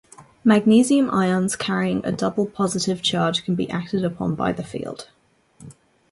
Magnesium ions carrying a double positive charge can be acted upon by the field.